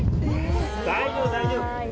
大丈夫大丈夫！